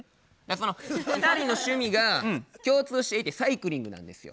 その２人の趣味が共通していてサイクリングなんですよ。